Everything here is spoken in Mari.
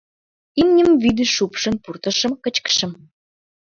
Имньым вӱдыш шупшын пуртышым, кычкышым.